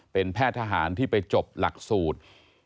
เป็นแพทย์ทหารที่ไปจบหลักสูตร